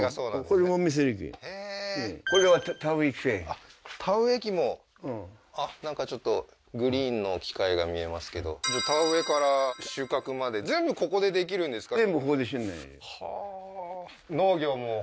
これ籾摺り機へえーこれは田植え機田植え機もあっなんかちょっとグリーンの機械が見えますけど田植えから収穫まで全部ここでできるんですか？